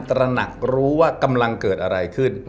ตระหนักรู้ว่ากำลังเกิดอะไรขึ้น